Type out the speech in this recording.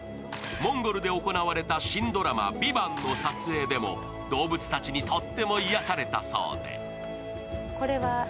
モンゴルで行われた新ドラマ「ＶＩＶＡＮＴ」の撮影でも動物たちにとっても癒やされたそうで。